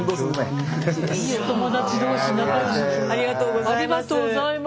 ありがとうございます。